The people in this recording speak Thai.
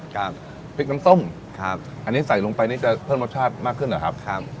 ครับพริกน้ำส้มครับอันนี้ใส่ลงไปนี่จะเพิ่มรสชาติมากขึ้นเหรอครับครับ